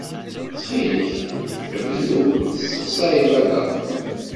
Ttxil-k, bdu tesseqsayeḍ-aneɣ-d!